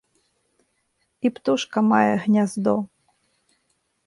І птушка мае гняздо.